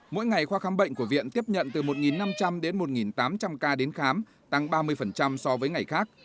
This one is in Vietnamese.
mỗi ngày khoa khám bệnh của viện tiếp nhận từ một năm trăm linh đến một tám trăm linh ca đến khám tăng ba mươi so với ngày khác